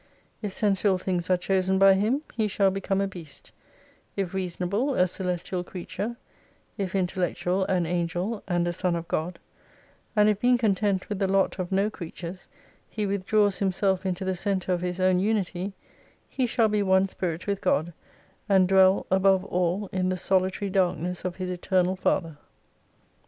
If sensual things are chosen by him, he shall become a beast ; if reasonable a celestial creature ; if intellectual an Angel and a Son of God ; and if being content with the lot of no creatures, he withdraws himself into the centre of his own unity, he shall be one Spirit with God, and dwell above all in the solitary darkness of His Eternal Father."